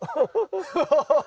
ハハハハッ。